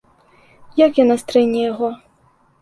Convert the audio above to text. Як яна стрэне яго?